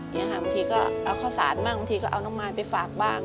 บางทีก็เอาข้าวสารบ้างบางทีก็เอาน้ำมันไปฝากบ้าง